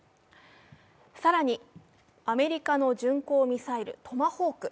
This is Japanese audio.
更にアメリカの巡航ミサイル、トマホーク。